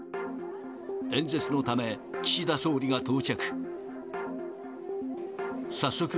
演説のため、岸田総理が到着。